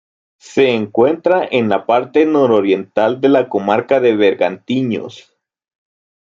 Se encuentra en la parte nororiental de la comarca de Bergantiños.